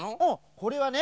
これはね